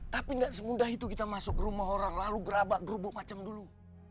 tapi tidak semudah itu kita masuk ke rumah horor lalu gerabak gerubuk macam dulu